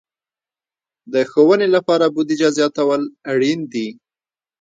د ښوونې لپاره بودیجه زیاتول اړین دي.